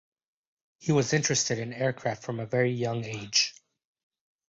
He was interested in aircraft from a very young age.